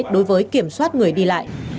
đối với kiểm soát người đi lại